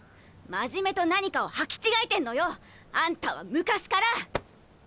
真面目と何かを履き違えてんのよ！あんたは昔から！